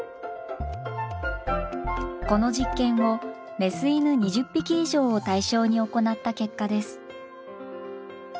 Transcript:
この実験をメス犬２０匹以上を対象に行った結果です。